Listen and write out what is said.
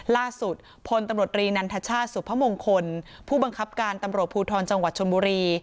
ล่าสุดพลตำรวจรีนันทชาติสุพมงคลผู้บังคับการตำรวจภูทรจังหวัดชนบุรี